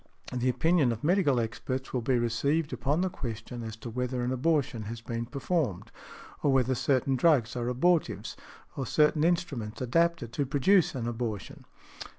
The opinion of medical experts will be received upon the question as to whether an abortion has been performed, or whether certain drugs are abortives, or certain instruments adapted to produce an abortion .